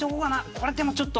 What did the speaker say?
これでもちょっと。